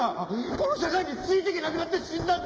この社会についていけなくなって死んだんだ！